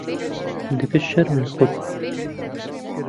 دەبێت شەرم لە خۆت بکەیت.